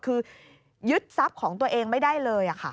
คือยึดทรัพย์ของตัวเองไม่ได้เลย